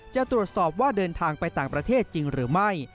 จะตรวจสอบว่าเดินทางไปต่างประเทศจริงหรือไม่